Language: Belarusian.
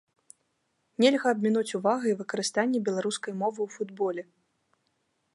Нельга абмінуць увагай выкарыстанне беларускай мовы ў футболе.